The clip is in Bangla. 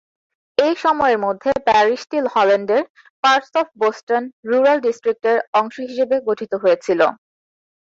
এই সময়ের মধ্যে, প্যারিশটি হল্যান্ডের পার্টস অফ বোস্টন রুরাল ডিস্ট্রিক্টের অংশ হিসেবে গঠিত হয়েছিল।